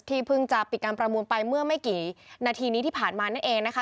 เพิ่งจะปิดการประมูลไปเมื่อไม่กี่นาทีนี้ที่ผ่านมานั่นเองนะคะ